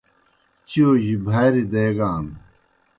چِیؤ جیْ بھاری دیگان۔